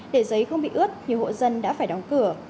để giấy không bị ướt nhiều hộ dân đã phải đóng cửa